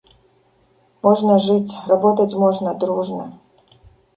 Можно жить, работать можно дружно.